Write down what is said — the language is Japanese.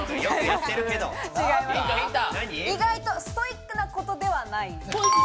意外とストイックなことではない。